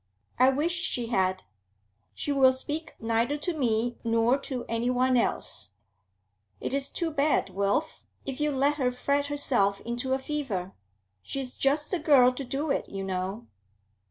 'I wish she had. She will speak neither to me nor to anyone else. It is too bad, Wilf, if you let her fret herself into a fever. She is just the girl to do it, you know.'